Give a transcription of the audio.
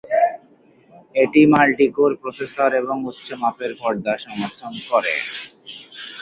এটি multi core processor এবং উচ্চ মাপের পর্দা সমর্থন করে।